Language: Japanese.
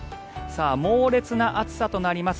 猛烈な暑さとなります。